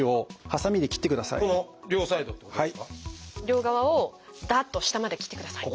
両側をだっと下まで切ってください。